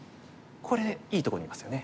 これいいとこにいますよね。